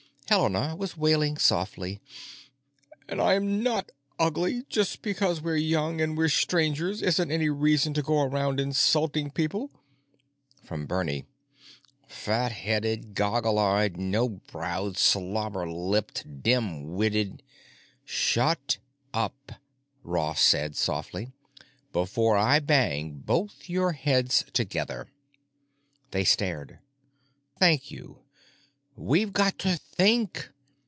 Helena was wailing softly, "——and I am not ugly and just because we're young and we're strangers isn't any reason to go around insulting people——" From Bernie: "——fatheaded, goggly eyed, no browed, slobber lipped, dim witted——" "Shut up," Ross said softly. "Before I bang both your heads together." They stared. "Thank you. We've got to think.